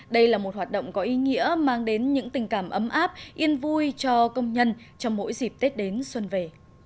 đây là một hoạt động có ý nghĩa mang đến những tình cảm ấm áp yên vui cho công nhân trong mỗi dịp tết đến xuân về